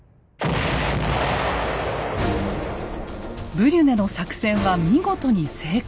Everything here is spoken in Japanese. ブリュネの作戦は見事に成功。